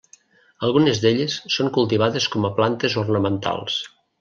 Algunes d'elles són cultivades com a plantes ornamentals.